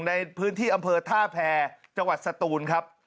ในพื้นที่อำเภอท่าแพรจังหวัดสตูนครับ